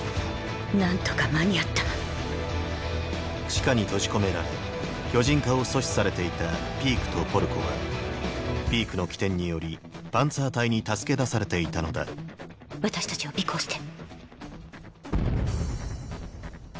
何とか間に合った地下に閉じ込められ巨人化を阻止されていたピークとポルコはピークの機転によりパンツァー隊に助け出されていたのだ私たちを尾行して。